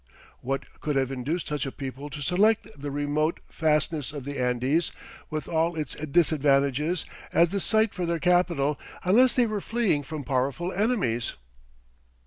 What could have induced such a people to select this remote fastness of the Andes, with all its disadvantages, as the site for their capital, unless they were fleeing from powerful enemies.